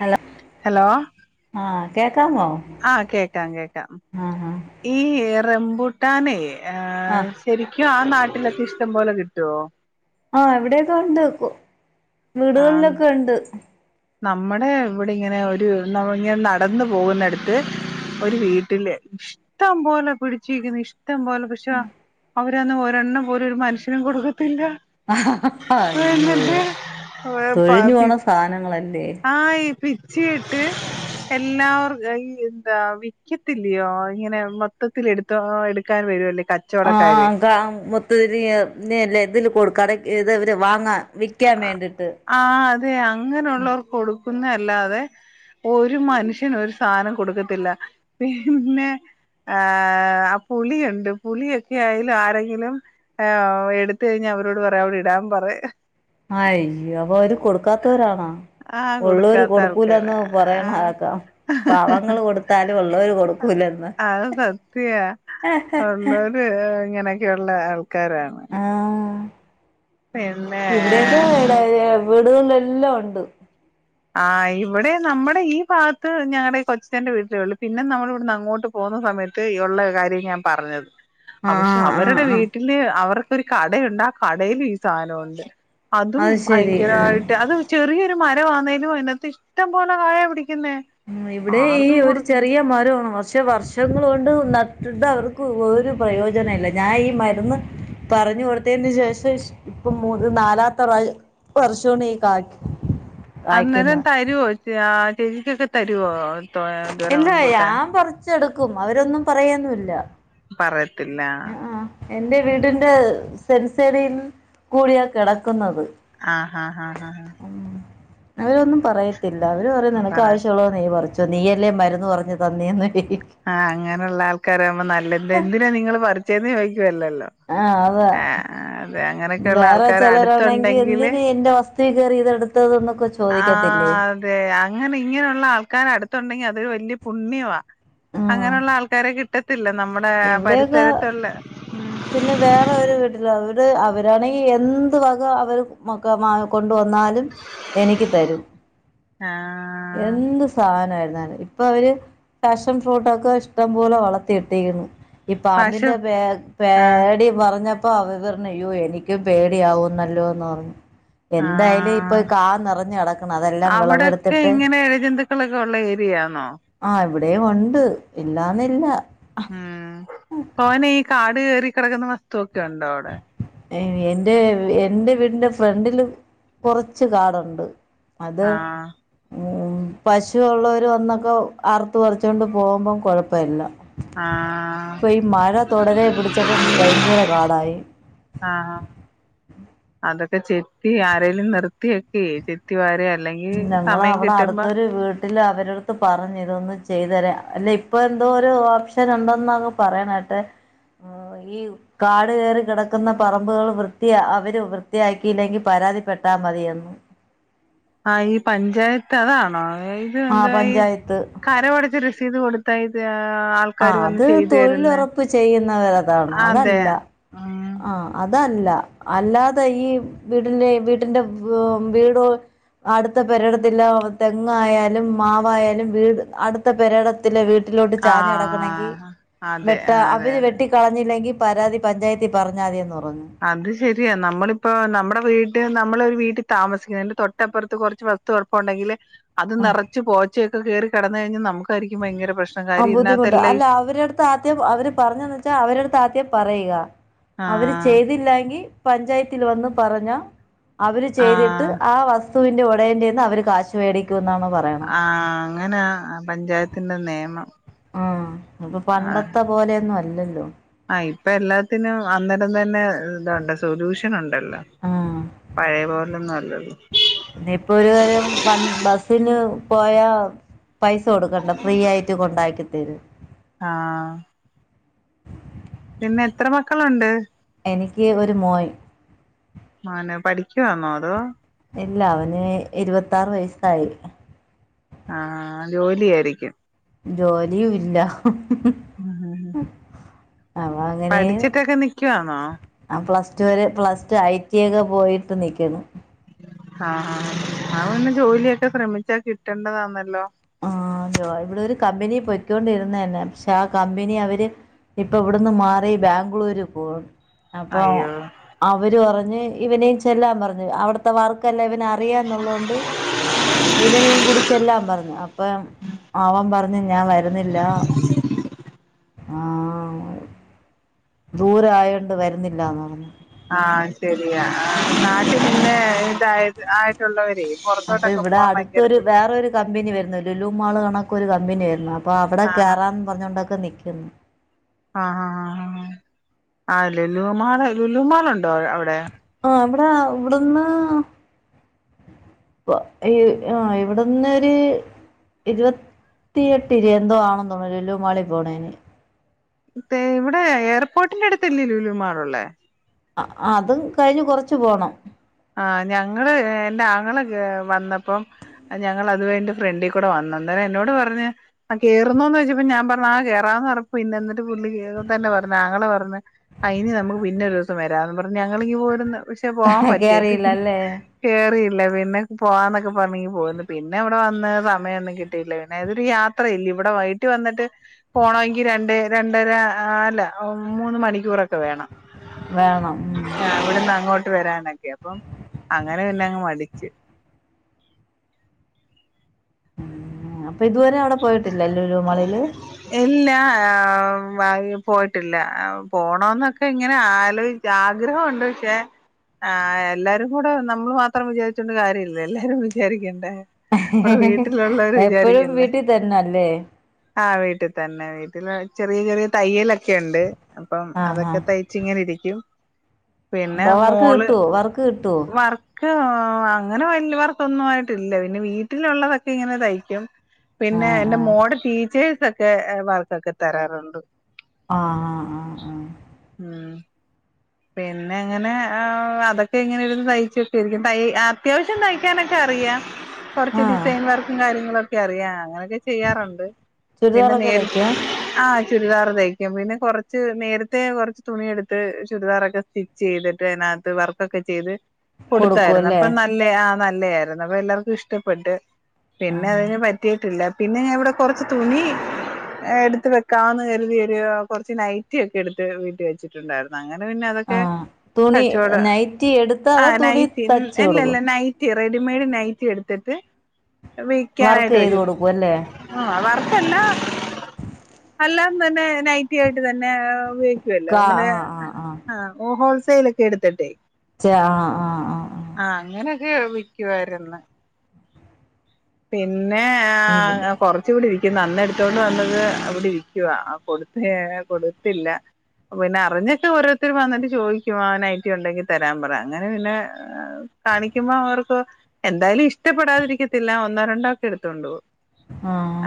Hello, hello ആഹ് കേക്കാമോ? ആഹ് കേക്കാം, കേക്കാം. ആഹ് ഈറംബുട്ടാനെ ആ ആഹ് ആഹ് ശെരിക്കും ആ നാട്ടിലൊക്കെ ഇഷ്ടം പോലെ കിട്ടുവോ? ആഹ് വിടെയൊക്കെ ഉണ്ട് ആഹ് വീടുകളിലൊക്കെ ഉണ്ട്. നമ്മടെ ഇവിടെ ഇങ്ങനെ ഒരു നമ്മ ഇങ്ങനെ നടന്നു പോകുന്നടുത്ത്, ഒരു വീട്ടില് ഇഷ്ടം പോലെ പിടിച്ചിക്കുന്നു ഇഷ്ട ഇഷ്ടം പോലെ പക്ഷെ അവരൊന്നും ഒരെണ്ണം പോലും ഒരു മനുഷ്യനും കൊടുക്കത്തില്ല. അയ്യോ എന്നിട്ട് തൊഴിഞ്ഞു പോണ സാനങ്ങളല്ലേ. ആയി പിച്ചി ഇട്ട്. എല്ലാവർ ഈ എന്താ വിക്കത്തില്ലയോ ഇങ്ങനെ മൊത്തത്തില് എടുത്ത്. ത്തോ എടുക്കാൻ വരുംല്ലേ ക ആഹ് കാ മൊത്തത്തില് ഇതില്കൊടു കടക്ക് ഇതെവര് വാങ്ങ വിക്ക. വ്ക്കാൻ വേണ്ടിട്ട്, ആഹ് അതെ അങ്ങനെള്ളോർക്ക് കൊടുക്കുന്നല്ലാതെ. ഒരു മനുഷ്യന് ഒരു സാനം കൊടുക്കത്തില്ല പിന്നെ. ആഹ് ആ പുളിയുണ്ട് പുളിയൊക്കെ ആയ്ലാരെങ്കിലും. ആ എടുത്ത കഴിഞ്ഞ അവരോട് പറയാ അവടെ ഇടാൻ പറയ. അയ്യോ അപ്പൊ അവര് കൊടുക്കാത്തോരാണ? ആഹ് ഒള്ളോര് കൊടുക്കാത്ത ആൾക്കാരാ കൊടുക്കൂലന്ന് ആഹ് പറയണെക്കാം. പാവങ്ങള് കൊടുത്താലും ഒള്ളോര് കൊടുക്കൂലന്ന. അത് ഇങ്ങനെയൊക്കെള്ള ആൾക്കാരാണ്. ആഹ് പിന്നെ ഇവിടെക്ക ട വീടുകളില് എല്ലാം ഉണ്ട്. ആ ഇവിടെ നമ്മുടെ ഈ ഭാഗത്ത് ഞങ്ങടെ ഈ കൊച്ചിച്ചന്റെ വീട്ടിലേ ഉള്ളു പിന്നെ നമ്മൾ ഇവിടുന്ന് അങ്ങോട്ട്. പോന്ന സമയത്ത് ഉള്ള കാര്യം ഞാൻ പറഞ്ഞത്, പക്ഷെ ആഹ് ആഹ് അവരുടെ ആഹ് വീട്ടിൽ. ട്ടില് അവർക്കൊരു കടയുണ്ട് ആ കടേലും ഈ സാധനണ്ട്. അതും അത് ശരി ആഹ് ഭയങ്കരായിട്ട് അത് ചെറിയൊരു മരവാന്നെ. അയ്യോ അയ്നാത്ത് ഇഷ്ടം പോലെ കായ പിടിക്കുന്നേ. ഉം ഇവിടെ ഈ ആർക്കും ഒരു കൊടുക്കും ചെറിയ മരാണ് വസ് പക്ഷെ വർഷങ്ങള് കൊണ്ട് നട്ട്ട്ട് അവർക്ക് ഒരു പ്രയോജനല്ല. ഞാൻ ഈ മരുന്ന്. പറഞ്ഞു കൊടുത്തേന് ശേഷം ഇപ്പൊ മൂന്ന് നാലാത്തറാ വർഷോണ് ഈ കായ്ക്ക അന്നേരം തരുവോ ആ ചേച്ചിക്കൊക്കെ തരുവോ? ഇല്ല റംബൂട്ടാൻ ഞാൻ പറച്ചെടുക്കും അവരൊന്നും പറയെന്നുല്ല, പറയത്തില്ല, എന്റെ വീടിന്റെ സെൻസൈടിൽ കൂടിയാ കിടക്കുന്നത്, ആഹ്, ഹാ, ഹാ, ഹാ. അവരൊന്നും പറയത്തില്ല, അവര് പറയും നിനക്ക് പറ ആവശ്യമുള്ള നീ പറച്ചോ നീയല്ലേ മരുന്ന് പറഞ്ഞു തന്നേന്ന്, ആഹ് അങ്ങനൊള്ള ആൾക്കാരാവുമ്പോ നല്ല എന്താ എന്തിനാ നിങ്ങള് പറച്ചേന്ന് ചോദിക്കുവല്ലല്ലോ, ആഹ് അതാ, ആഹ് അതെ അങ്ങനെ, വേറെ ചെലരാണെങ്കി എന്തിന് എന്റെ വസ്തു കേറി ഇതെടുത്തതെന്നൊക്കെ ചോദിക്കത്തില്ലേ ആഹ് അതെ അങ്ങനെ ഇങ്ങനെള്ള ആൾക്കാര് അടുത്തുണ്ടെങ്കി അതൊരു വലിയ പുണ്യവാ ആഹ് അങ്ങനെള്ള ആൾക്കാരെ കിട്ടത്തില്ല നമ്മളെ ഇവിടെയൊക്കെ പരിസരത്തുള്ളെ പിന്നെ വേറെര് വീട്ടില് അവര് അവരാണെങ്കി എന്ത് വക അവര് ക്കെ കൊണ്ടുവന്നാലും എനിക്ക് തരും ആഹ് എന്ത് സാധനയിരുന്നാലും പ്പൊ അവര് ഫാഷൻ ഫ്രൂട്ടൊക്കെ ഇഷ്ടം പോലെ വളർത്തി എടുത്തേക്ക്‌ന്ന് ഈ പശു പാമ്പിന്റെ പേ ആഹ് പേടി പറഞ്ഞ പ്പൊ അവ പറഞ്ഞയ്യോ എനിക്ക് പേടിയാവുന്നല്ലോന്ന് എന്തായാലും ഇപ്പൊ ആഹ് കാ നിറഞ്ഞ കിടക്കണ് അതെല്ലാം വിളവെടുത്തിട്ട് മക്കളൊക്കെ ഒള്ള ഏരിയാന്നോ ആഹ് ഇവിടെയുണ്ട് ഇല്ലാന്നില്ല ഉം പവനെ ഈ കാട് കേറി കെടക്ക്‌ന്ന വസ്തുവൊക്കെയുണ്ടോ അവടെ എഎൻറെ എന്റെ വീടിന്റെ ഫ്രണ്ടില് കൊർച്ച് കാടുണ്ട് അത് ആഹ് ഉ പശുള്ളോര് വന്നൊക്കെ അർത്ത് പർചൊണ്ട് പോകുമ്പകൊഴപ്പല്ല ആഹ് പ്പൊ ഈ മഴ തൊടരെ പിടിച്ചപ്പോ ഭയങ്കര കാടായി ആഹ് ഹ അതൊക്കെ ചെത്തി ആരെലും നിർത്തി ഒകെയ് ത്തിവാരാ അല്ലെങ്കി സമയം കിട്ടുമ്പോ ല്ല അവരടുത്ത് പറഞ്ഞ് ഇതൊന്ന് ചെയ്തെരാ അല്ല ഇപ്പഎന്തോരു ഓപ്ഷൻ ഉണ്ടോെന്നൊക്കെ പറയണ കേട്ടെ [inaudible] ഈ കാട് കേറി കിടക്ക്‌ന്ന പറമ്പുൾ വൃത്തിയാ അവര് വൃത്തിയാക്കിയില്ലെങ്കി പരാതിപ്പെട്ടാൽ മതിയെന്ന് ആ ഈ പഞ്ചായത്ത് അതാണോ ഇത് ആ എന്താ പഞ്ചായത്ത് കരവടച്ച് രസീദ് കൊടുത്ത ഇത് ആ ആൾക്കാര് വന്ന് അത് ചെയ്തു തരുന്നെ തൊഴിലുറപ്പ് ചെയ്യുന്നവരതാണ് അതെ അതല്ല ഉം ആഹ അതല്ല അല്ലാതെ ഈ വീടിന്റെ വീടിന്റെ ഉം വീട്‌ അടുത്ത പെരയിടത്തിന്റെ തെങ്ങായാലും മാവായാലും വീട് അടു അടുത്ത പെരയിടത്തിലെ വീട്ടിലോട്ട് ചാഞ്ഞ് കടക്ക്‌ന്നെങ്കി ആഹ് അതെ വെട്ട അതെ അവര് അതെ വെട്ടി കളഞ്ഞില്ലെങ്കി പരാതി പഞ്ചായത്തിൽ പറഞ്ഞാതിന്ന് തോന്നുണു അത് ശരിയാ നമ്മളിപ്പോ നമ്മടെ വീട് നമ്മളൊരു വീട്ടി താമസിക്ക്‌ തൊട്ടപ്പുറത്ത് കൊർച്ച് പ്പണ്ടെങ്കിലെ അത് ആ നിറച്ച് പോച്ചയൊക്കെ കേറി കെടന്ന് കഴിഞ്ഞ് നമു രിക്കും ഭയങ്കര പ്രശ്നം കാര്യ ഇതിനകത്ത് എല്ലാം ഇ താധ്യയം അവര് പറഞ്ഞന്ന് വെച്ചാ അവര് പറയുക അവര് ആഹ് ചെയ്തില്ലാങ്കി പഞ്ചായത്തിൽ വന്ന് പറഞ്ഞ അവര് ചെയ്തിട്ട് ആഹ് ആ വസ് തുവിന്റെ ഉടേയന്റെന്ന് അവര് കാശുവെടിക്കുന്നാണ് പറ ആ അങ്ങനാ പഞ്ചായത്തിന്റെ നെയമം ആ പ്പൊ പണ്ടത്തെ പോലെയൊന്നും അല്ലല്ലോ അ ഇപ്പ എല്ലാത്തിനും അന്നേരം തന്നെ ഇതൊണ്ട് സൊല്യൂഷനുണ്ടല്ലോ ആഹ് പഴെ പോലെ ഒന്നും അല്ലല്ലോ. ദേ ഇപ്പൊരുനേരം വൺ ബസ്സിന് പോയ പൈസ കൊടുക്കണ്ട ഫ്രീ ആയിട്ട് കൊണ്ടാക്കിതരും. ആഹ്. പിന്നെ എത്ര മക്കളുണ്ട്? എനിക്ക് ഒരു മോൻ. മനോ പഠിക്കാന്നോ? അതോ ഇല്ല അവന് ഇരുവത്താറ് വയസ്സായി. ആഹ് ജോലിയായിരിക്കും. ജോലിയുംല്ല. പഠിച്ചിട്ടൊക്കെ നിക്ക്യാന്നോ? ആഹ് പ്ലസ്, ടു വര് പ്ലസ്, ടു, ഐ, ടി ഒക്കെ പോയിട്ട് നിക്കുന്നു. ആഹ് ആഹ് അവന്ന് ജോലിയൊക്കെ ശ്രമിച്ചാ കിട്ടണ്ടതാന്നല്ലോ? ആഹ് ജോ ഇവിടെ ഒരു കമ്പനി പൊയ്ക്കൊണ്ടിരുന്നന്നെ പക്ഷെ ആ കമ്പനി അവര് ഇപ്പൊ ഇവിട്ന്ന് മാറി ബാംഗ്ലൂര് പോ അപ്പൊ അയ്യോ അവര് പറഞ്ഞ് ഇവനേയും ചെല്ലാൻ പർഞ്ഞ് അവിട്ത്തെ വർക്കല്ല ഇവന അറിയാന്നുള്ളോണ്ട് ഇവനെയും കുടിച്ചെല്ലാം പറഞ്ഞു അപ്പം അവൻ പറഞ്ഞ് ഞാൻ വര്ന്നില്ല. ആഹ്. ദൂര ആയോണ്ട് വര്ന്നില്ലന്ന് പർഞ്. ആഹ് ശരിയാ ആഹ് നാട്ടി പിന്നെ ഇതായ ആഹ് റ്റുള്ളവരെ അപ്പൊ പുറത്തോട്ടൊക്കെ ഇവിടെ പോവാൻ ഭയങ്കര അടുത്തൊരു ബുദ്ധി വേറൊരു കമ്പനി വരുന്നു ലുലു മാള് കണക്കെ ഒരു കമ്പനി വരുന്നു അപ്പൊ അവിടെ ആഹ് കേറാൻ പറഞ്ഞൊണ്ടൊക്കെ നിക്ക്യുന്നു. ആഹ് ആ ആ ആഹ് ലുലുമാള് ലുലുമാളുണ്ടോ അവിടെ? ആ ഇവടെ ഇവ്ട്‌ന്ന് ഇ ആഹ് ഇവിട്ന്നൊര് ഇരുപത്തിയെട്ടില് എന്തോ ആണോ തോന്ന് ലുലു മളി പോണേന്. പേ ഇവിടെ എയർപോർട്ടിന്റെ അട്ത്തല്ലേ ലൂലൂമാളുള്ളേ? ആഹ് അതും കയ്ഞ്ഞ് കൊർച്ച് പോണം. ആഹ് ഞങ്ങള് എന്റെ ആങ്ങള വന്നപ്പം ഞങ്ങള് അത് [unintelligible] ഫ്രണ്ടി കൂടെ വന്നു അന്നെരം എന്നോട് പർഞ് ആഹ് കേറുന്നോന്ന് ചോയ്ച്ചപ്പോ ഞാൻ പർഞ്ഞ് ആ കേറാന്ന് പറഞ്ഞ പിന്നെ എന്നിട്ട് പുള്ളി കേറുപ്പന്നെ പറഞ് ആങ്ങള പർഞ് അയ്ന് ‌നമുക്ക് പിന്നെ ഒരു ദിവസം വരാംന്ന് പർഞ് ഞങ്ങളിങ്ങ് പോര്‌ന്ന് പക്ഷെ പോവാൻ പ കേറിയില്ലല്ലേ കേറീല്ല പിന്നെ പോവാന്നൊക്കെ പർഞ്ഞി പോന്ന് പിന്നെ അവിടെ വന്ന് സമയൊന്നും കിട്ടില്ല പിന്നെ അതൊരു യാ ത്ര ഇല്ല്യ ഇവടെ വൈറ്റ് വന്ന്ട്ട് പോണങ്കി രണ്ട് രണ്ടര അല്ല മൂന്ന് മണിക്കൂറൊക്കെ വേണം. വേണം ഉം. അവിടുന്ന് അങ്ങോട്ട് വരാനൊക്കെ അപ്പം അങ്ങനെ പിന്നങ്ങ് മടിച്ച്. ഉം അപ്പൊ ഇതുവരെ അവ്ടെ പോയിട്ടില്ലേ ലുലൂ മാളില്? ഇല്ല ആഹ് പോയ്ട്ടില്ല പോണോന്നൊക്കെ ഇങ്ങനെ ആലോയ് ആഗ്രഹണ്ട് പക്ഷെ? ആഹ് എല്ലാരും കൂടെ നമ്മൾ മാത്രം വിചാരിച്ചോണ്ട് കാര്യല്ലല്ലെ എല്ലാരും വിചാരിക്കണ്ടേ. നമ്മടെ വീട്ടിലുള്ളവര് എപ്പഴും വിചാരിക്കണ്ടേ വീട്ടി തന്നെല്ലേ? ആഹ് വീട്ടിതന്നെ വീട്ടില് ചെറീയൊരു തയ്യലൊക്കെ ഉണ്ട് അപ്പം ആഹ് അതൊക്കെ ത യ്ച്ചിങ്ങനെ ഇരിക്കും പിന്നെ ആഹ് വർക്ക് മോള് കിട്ടുവോ വർക്ക് കിട്ടുവോ വർ ക്ക് ആഹ് അങ്ങനെ വല്ല്യ വർക്കൊന്നും ആയിട്ടില്ല പിന്നെ വീട്ടിലുള്ളതൊക്കെ ഇങ്ങനെ തയ്ക്കും. പിന്നെ ആഹ് എന്റെ ആഹ് മോടെ ശീച്ചേഴ്സൊക്കെ വർക്കൊക്കെ തരാറൊണ്ട് ആഹ് ആഹ് ആഹ് [inaudible] പിന്നെ എങ്ങനെ ആ അതൊക്കെ എങ്ങനെ ഇരുന്ന് തയ്ച്ചൊക്കെ ഇരിക്കും തൈ അത്യാവശ്യം തയ്ക്കാനൊക്കെ അറിയാം കൊറച്ച് ആഹ് ആഹ് ഡിസൈൻ വർക്കും കാര്യങ്ങളും ഒക്കെ അറിയാം അങ്ങനെയൊക്കെ ചെയ്യാറുണ്ട് പിന്നെ ചുരിദാറൊക്കെ നേരി തയ്ക്കും ആ ചുരിദാറ് തയ്ക്കും പിന്നെ കൊറച്ച് നേരത്തെ കൊറച്ച് തുണിയെടുത്ത് ചുരിദാറൊക്കെ സ്റ്റിച്ച് ചെയ്തിട്ട് അയിനത്ത് വർക്കൊക്കെ ചെയ്ത് കൊടുക്കും കൊടുതര്ന്ന് അല്ലേ അപ്പ ന ല്ലെ ആ നല്ലതായിരുന്നു അപ്പൊ എല്ലാർക്കും ഇഷ്ടപ്പെട്ട് പിന്നെ ആഹ് അതിന് പറ്റിയിട്ടില്ല പിന്നെ ഞാൻ ഇവിടെ കൊറച്ച് തുണി എടുത്ത് വെക്കാന്ന് കരുതിയൊരു കൊറച്ച് നൈറ്റി ഒക്കെ എടുത്ത് വീട്ടി വെച്ചിട്ടുണ്ടായിരുന്നു അങ്ങനെ പിന്നെ അതൊക്കെ ആഹ് തുണി കച്ചവടം നൈറ്റി എടുത്താ ആ അതോ തുണി നൈറ്റി ൻ തച്ച് അല്ലല്ല കൊടുക്കും നൈറ്റ് റ്റി റെഡിമെയ്ഡ് നൈറ്റി എടുത്തിട്ട് വർക്ക് വിൽക്കാനായിട്ട് ചെയ്ത് വരും കൊടുക്കും അല്ലേ ആ വർക്കല്ലാ എല്ലാം തന്നെ നൈറ്റി ആയിട്ട് തന്നെ ഉപോഗ കാ [unintelligible] ആഹ് ആഹ് ആഹ് ഓഹൊ ഹോൾസൈലെക്കെഎട്ത്ത്ട്ടെ ച്ചെ ആഹ് ആഹ് ആഹ് അങ്ങനൊക്കെ വിക്കുവാര്ന്നു പിന്നെ ആഹ് ഇവിടെ കൊർ കൊറ്ച്ചൂടിരിക്കു അന്നെട്ത്തോണ്ട് വന്നത് അവിടെരിക്കുവാ ആ കൊടുത്തേ കൊട്ത്തില്ല പിന്നെ അറിഞ്ഞട്ട് ഓരോര്ത്തര് വന്നട്ട് ചോയ്ക്കും ആ നൈറ്റി ഉണ്ടെങ്കി തരാൻപറ അങ്ങനെപിന്നെ കാണിക്കുമ്പോ അവർക്കൊ എന്തായ്ലും ഇഷ്ടപ്പെടാതിരിക്കത്തില്ല ഒ ന്നൊരണ്ടോ ഒക്കെ എടുത്തോണ്ടൊവും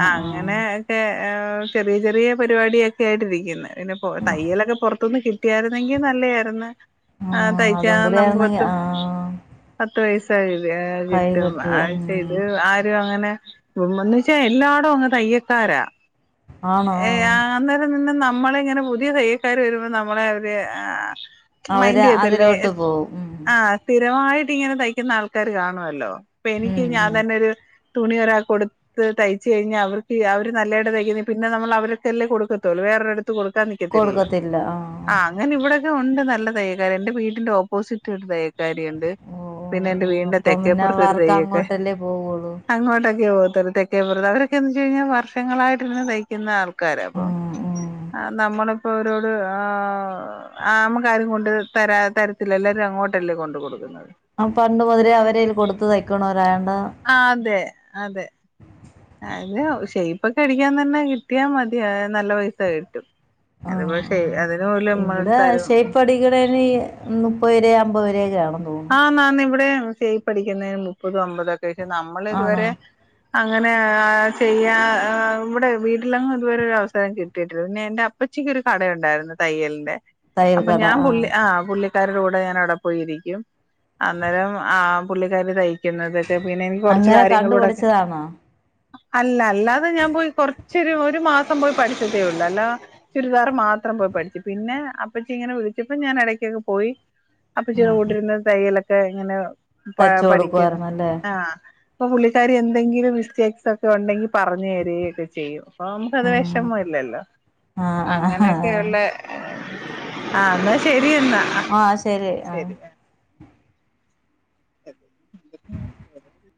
ആഹ് അ അങ്ങനെ ക്കെ ആ ചെറിയെചെറിയെ പരിപാടിയൊക്കെയായിട്ടിരിക്കുന്ന് പിന്നെപ്പൊ തയ്യലൊക്കപൊറത്ത്ന്ന് കിട്ടിയാരുന്നെങ്കി നല്ലെയാരുന്ന് ആഹ് തയ്ക്കാ അതും കൂടി നമ്മുക്ക് ആയിരുന്നെങ്കി പറ്റും ആഹ് പത്ത് പയിസ്സായിത് കിട്ടും കൈകെട്ട് ഉം ആഴച്ച ഇത് ആരുംഅങ്ങനെ ഉമ്മ്ന്ന്ച്ച എല്ലാടൊങ്ങ് തയ്യക്കാരാ ആണോ ഏആ അന്നേരംനിന്ന നമ്മളെങ്ങനെ പുതിയതയ്യക്കാര് വരുമ്പോ നമ്മളെ അവര് ആ അവര് മൈന്റെയ്യാത്തില്ലേ അതിലോട്ട് എസ് പോവും ഉം ആഹ് സ്ഥിരമായിട്ടിങ്ങനെ തയ്ക്കുന്ന ആൾക്കാര് കാണുവല്ലോ ഉം ഇപ്പെനിക്ക് ഞാൻ ഉം തന്നെ ഒരു തുണിയൊരാൾക്കൊട് ത്ത് തയ്ച്ച്കഴിഞ്ഞ അവർക്ക് അവര് നല്ലയിടെതയ്ക്കുന്നെ പിന്നെനമ്മള് അവർക്കല്ലേകൊട്ക്കത്തൊള്ളു വേറെര്ട് ത്ത്കൊട്ക്കാൻ നിക്കത്തില്ലല്ലോ ആഹ് അങ്ങനെ ഇവിടൊക്കെ ഒണ്ട് നല്ല തയ്യക്കാര് എന്റെ വീട്ടിന്റെ ഓപ്പോസിറ്റ് ഒരു തയ്യക്കാരി ഇണ്ട് ഓ ഓ പിന്നെ എന്റെ ഓ വീടിന്റെ അപ്പം പിന്നെ തെക്കേപ്പൊറത്തൊരു അവർക്ക് തൈയ്യക്ക [unintelligible] അങ്ങോട്ടൊക്കെ പോകത്തോള് തെക്കേപറത്ത് അവരൊക്കെന്ന് വെച്ച് കഴിഞ്ഞാ വർഷങ്ങളാട്ടിരുന്ന് തയിക്കുന്ന ആൾ ക്കാരാപ്പൊ ഉം ഉം ആ നമ്മള്പ്പോ അവരോട് ആഹ് ആഹ് അമ്മക്കാരുംകൊണ്ട് തരാ തരത്തില്ല എല്ലാരും അങ്ങോട്ടല്ലേ കൊണ്ട്കൊട്ക്കുന്നത് ആഹ് പണ്ട്മുതലേ അവര് കൊട്ത്ത് തയ്ക്കണൊരായോണ്ട ആഹ് അതെ അതെ ആ അത ഷെയ്പ്പൊക്കെ അടിക്കാൻ തന്നെ കിട്ടിയാമതി അത് നല്ല പൈസകിട്ടും ആ ആ അത്പഷെ അതിന് പോലും മ്മളട്ത്താരും ഇവിടെ ഇനി മുപ്പത് രൂപയോ അമ്പത് രൂപയൊക്കെ ആണെന്ന് തോന്നുന്നു ആന്നാന്ന് ഇവിടെ ഷെയ്പ്പ് അടിക്കുന്നതിന് മുപ്പത് അമ്പതൊക്കെയാ പക്ഷെ നമ്മള് ആണോ ഇതുവരെ അങ്ങനെ ചെയ്യാൻ ഇവിടെ വീട്ടിലെങ്ങും ഇത് വരെ ഒരവസരം കിട്ടിയിട്ടില്ല പിന്നെ എന്റെ അ അപ്പച്ചിക്കൊരു കടയുണ്ടാരുന്നു തയ്യലിന്റെ തയ്യൽ അപ്പൊ കട ഞാൻ ആ പുള്ളി ആഹ് പുള്ളി ക്കാരീടെ കൂടെ ഞാനവിടെ പോയി ഇരിക്കും അന്നേരം ആ പുള്ളിക്കാരി തയ്ക്കുന്നതൊക്കെ പിന്നെ എനിക്ക് കൊറച്ച് അങ്ങനെ കണ്ടു കാര്യങ്ങളൂടൊക്കെ പഠിച്ചതാണോ അല്ല അല്ലാതെ ഞാൻ പോയി കൊറൊച്ചൊരു ഒരു മാസം പോയി പഠിച്ചതേയുള്ളൂ അല്ലാ ചുരിദാറ് മാത്രം പോയി പഠിച്ച് പിന്നെ അപ്പച്ചി ഇങ്ങനെ വിളിച്ചപ്പോ ഞാൻ എടക്കൊക്കെ പോയി അപ്പച്ചിയുടെ കൂടെ ഇരുന്ന് തയ്യലൊക്കെ ഇങ്ങനെ പാ തയ്ച്ചു പഠിക്കണ് കൊടുക്കുവായിരുന്നല്ലേ ആഹ് ഇപ്പൊ പുള്ളിക്കാരി എന്തെങ്കിലും മിസ്റ്റേക്സ് ഒക്കെ ഉണ്ടെങ്കിൽ പറഞ്ഞ് തരുവൊക്കെ ചെയ്യും അപ്പോ നമുക്കത് ഉം വെഷമവില്ലല്ലോ ആ ആ ആ അങ്ങനെക്കെയുള്ള ആഹ് എന്നാ ശെരിയെന്നാ ആഹ് ശെരി ആഹ് [inaudible]